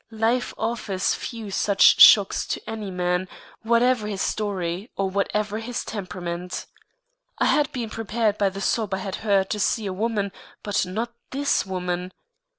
Life offers few such shocks to any man, whatever his story or whatever his temperament. I had been prepared by the sob I had heard to see a woman, but not this woman.